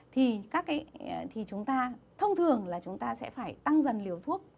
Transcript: thì chúng ta thông thường là chúng ta sẽ phải tăng dần liều thuốc